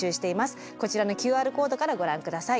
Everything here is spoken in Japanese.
こちらのＱＲコードからご覧下さい。